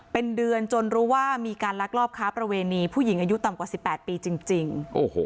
เป็นเดือนจนรู้ว่ามีการลักลอบค้าประเวณีผู้หญิงอายุต่ำกว่า๑๘ปีจริง